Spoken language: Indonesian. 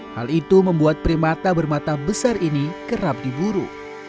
hal itu membuat primata bermata besar ini kerap diburu